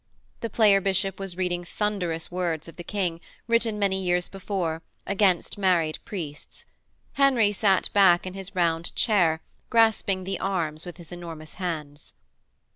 The player bishop was reading thunderous words of the King, written many years before, against married priests. Henry sat back in his round chair, grasping the arms with his enormous hands.